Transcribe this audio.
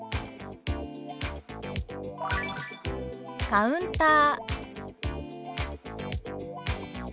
「カウンター」。